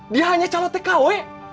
dia hanya calon tkw